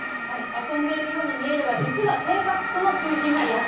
遊んでいるように見えるが、実は生活の中心が野球。